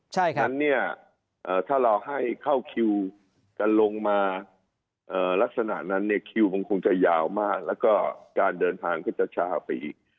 เพราะฉะนั้นเนี่ยถ้าเราให้เข้าคิวกันลงมาลักษณะนั้นเนี่ยคิวคงจะยาวมากแล้วก็การเดินทางก็จะช้าไปอีก